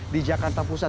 di jakarta pusat